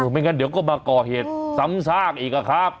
ไม่งั้นเดี๋ยวก็มาก่อเหตุซ้ำซากอีกครับ